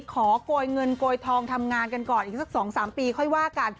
โกยเงินโกยทองทำงานกันก่อนอีกสัก๒๓ปีค่อยว่ากัน